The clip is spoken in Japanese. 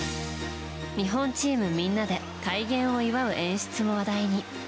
日本チームみんなで改元を祝う演出も話題に。